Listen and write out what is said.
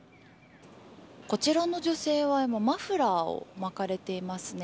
こちらの女性はマフラーを巻かれていますね。